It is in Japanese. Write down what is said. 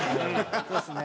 そうですね。